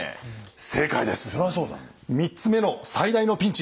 ３つ目の最大のピンチ。